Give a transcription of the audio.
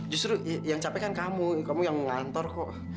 justru yang capek kan kamu kamu yang ngantor kok